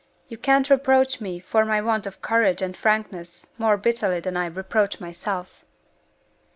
You can't reproach me for my want of courage and frankness more bitterly than I reproach myself!"